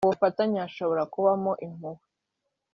mu bufatanye hashobora kubamo impuhwe